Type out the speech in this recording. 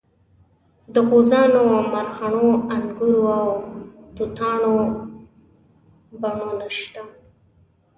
د غوزانو مرخڼو انګورو او توتانو بڼونه شته.